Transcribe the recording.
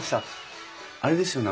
あれですよね